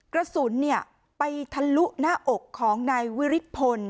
กระสุนไปทะลุหน้าอกของนายวิริกพล